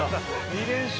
２連勝。